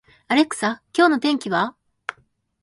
アレクサ、今日の天気は